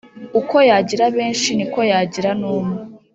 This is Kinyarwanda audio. uko yagira benshi ni ko yagira n ‘umwe .